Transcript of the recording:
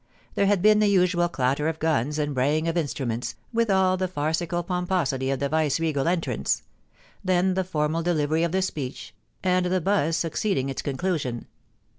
There had been the usual clatter of guns and braying of instruments, with all the farcical pomposity of the viceregal entrance; then the formal delivery of the speech, and the buzz succeed ing its conclusion.